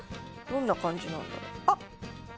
どんな感じなんだろうあっ！